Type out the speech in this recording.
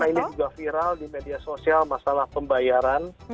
karena ini juga viral di media sosial masalah pembayaran